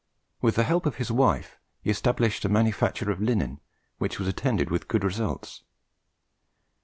With the help of his wife, he established a manufacture of linen, which was attended with good results.